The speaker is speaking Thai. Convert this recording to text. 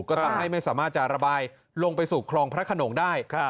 ก็ทำให้ไม่สามารถจะระบายลงไปสู่คลองพระขนงได้